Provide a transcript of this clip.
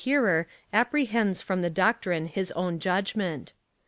457 hearer apprehends from the doctrine his own judgment.